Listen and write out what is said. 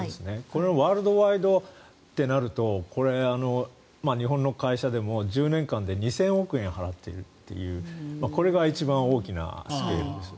これのワールドワイドってなると日本の会社でも１０年間で２０００億円払っているというこれが一番大きいです。